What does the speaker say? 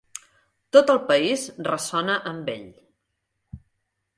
Tot el país ressona amb ell.